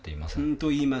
と言いますと？